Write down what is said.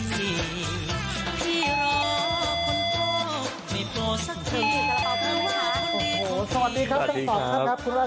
พี่รอบคนโด่มีโตทรงคืนคำรับเมื่อการ